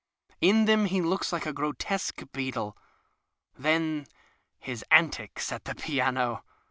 In them he looks like a grotesque beetle. Then his antics at the piano